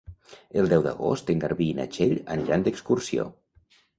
El deu d'agost en Garbí i na Txell aniran d'excursió.